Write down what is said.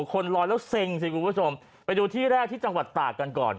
คนลอยแล้วเซ็งสิคุณผู้ชมไปดูที่แรกที่จังหวัดตากกันก่อน